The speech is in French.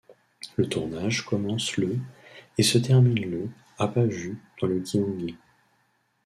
Le tournage commence le et se termine le à Paju dans le Gyeonggi.